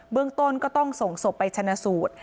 เรื่องต้นก็ต้องส่งศพไปชนะสูตร